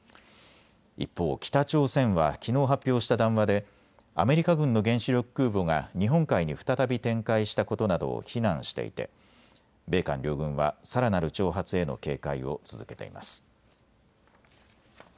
一方、北朝鮮はきのう発表した談話でアメリカ軍の原子力空母が日本海に再び展開したことなどを非難していて米韓両軍はさらなる挑発への警戒を続けています。